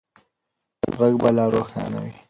غږ به لا روښانه وي.